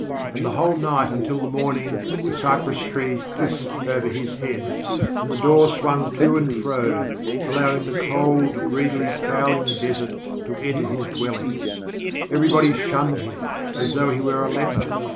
And the whole night until the morning the cypress trees hissed over his head, and the door swung to and fro, allowing the cold, greedily prowling desert to enter his dwelling. Everybody shunned him as though he were a leper.